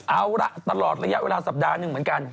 เอาละตลอดระยะเวลาสัปดาห์หนึ่งเหมือนกัน